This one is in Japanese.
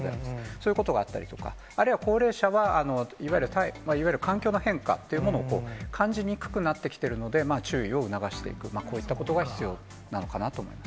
そういうことがあったりとか、あるいは高齢者は、いわゆる環境の変化っていうものを感じにくくなってきてるので、注意を促していく、こういったことが必要なのかなと思います。